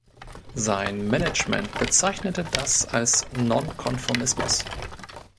Sein Management bezeichnete das als „Nonkonformismus“.